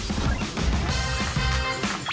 หลังเลือกตั้งเราจะได้รัฐบาลชุดใหม่เมื่อไหร่กันนะ